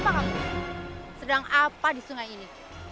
apa kamu sedang apa di sungai ini